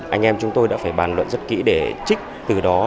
anh em chúng tôi đã phải bàn luận rất kỹ để trích từ đó